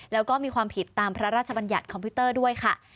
แล้วก็มีความผิดตามพระราชบัญญัติคอมพิวเตอร์ด้วยค่ะ